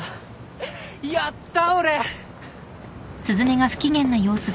やった俺！